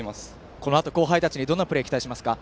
このあと後輩たちにどんなプレーを期待しますか？